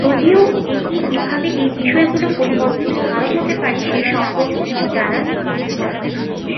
যদিও এটি কীভাবে এই বিষয়গুলি পরিবর্তনের কারণ হতে পারে সে সম্পর্কে কিছুই জানায় না।